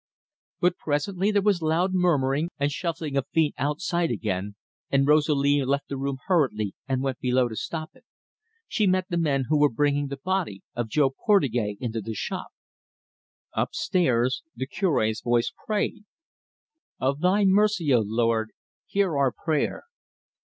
But presently there was loud murmuring and shuffling of feet outside again, and Rosalie left the room hurriedly and went below to stop it. She met the men who were bringing the body of Jo Portugais into the shop. Up stairs the Cure's voice prayed: "Of Thy mercy, O Lord, hear our prayer.